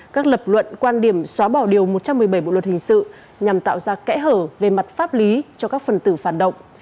các lập luận quan điểm xóa bỏ điều một trăm một mươi bảy bộ luật hình sự nhằm tạo ra kẽ hở về mặt pháp lý cho các phần tử phản động